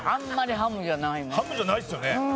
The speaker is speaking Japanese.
ハムじゃないですよね。